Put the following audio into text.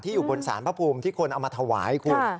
ที่อยู่บนศาลพระภูมิที่คุณเอามาทวายคุณ